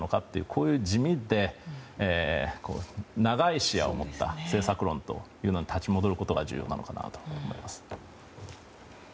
こういう地味で長い視野を持った政策論というのに立ち戻ることが重要なのかなと思います。